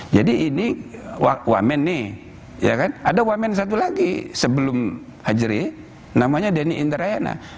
jadi ini wamen nih ya kan ada wamen satu lagi sebelum hajri namanya denny indrayana